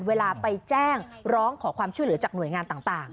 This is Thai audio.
เวลาไปแจ้งร้องขอความช่วยเหลือจากหน่วยงานต่าง